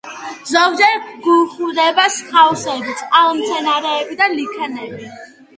ზოგჯერ გვხვდება ხავსები, წყალმცენარეები და ლიქენები.